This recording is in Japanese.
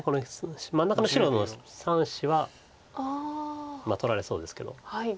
真ん中の白の３子は取られそうですけど。